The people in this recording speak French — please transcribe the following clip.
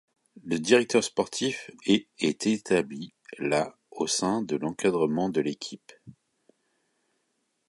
Le directeur sportif est et établit la au sein de l'encadrement de l'équipe.